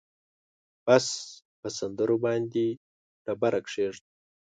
بس په سندرو باندې تیږه کېږده